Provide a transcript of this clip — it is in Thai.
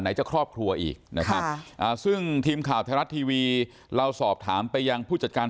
ไหนจะครอบครัวอีกนะครับค่ะอ่าซึ่งทีมข่าวทะเลือส์ทีวีเราสอบถามไปยังผู้จัดการ